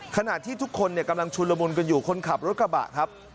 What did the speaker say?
ขณะที่ทุกคนกำลังชุนละมุนกันอยู่คนขับรถกระบะครับ